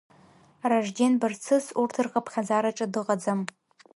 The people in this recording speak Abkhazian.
Ражден Барцыц урҭ рхыԥхьаӡараҿы дыҟаӡам.